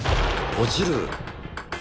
落ちる！